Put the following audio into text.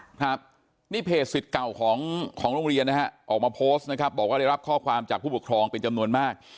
ครับนี่เพจสิทธิ์เก่าของของโรงเรียนนะฮะออกมาโพสต์นะครับบอกว่าได้รับข้อความจากผู้ปกครองเป็นจำนวนมาก